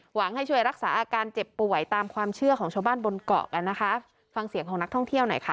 ให้ช่วยรักษาอาการเจ็บป่วยตามความเชื่อของชาวบ้านบนเกาะกันนะคะฟังเสียงของนักท่องเที่ยวหน่อยค่ะ